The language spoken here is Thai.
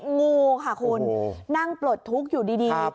งูค่ะคุณนั่งปลดทุกข์อยู่ดี